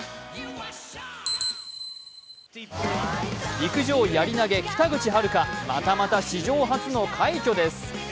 陸上やり投げ、北口榛花、またまた史上初の快挙です。